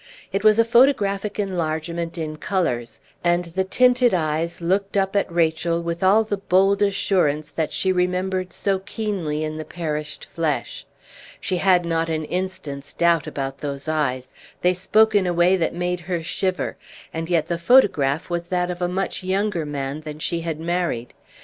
It was a photographic enlargement in colors, and the tinted eyes looked up at Rachel with all the bold assurance that she remembered so keenly in the perished flesh. She had not an instant's doubt about those eyes; they spoke in a way that made her shiver; and yet the photograph was that of a much younger man than she had married.